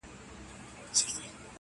هر څوک د خپل ضمير سره يو څه جګړه لري،